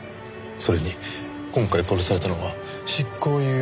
それに今回殺されたのは執行猶予中の前科者。